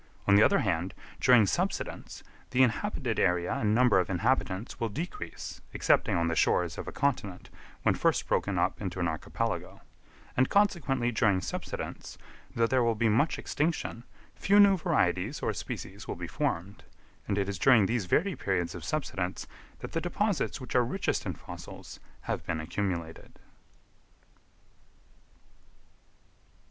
On the other hand, during subsidence, the inhabited area and number of inhabitants will decrease (excepting on the shores of a continent when first broken up into an archipelago), and consequently during subsidence, though there will be much extinction, few new varieties or species will be formed; and it is during these very periods of subsidence that the deposits which are richest in fossils have been accumulated.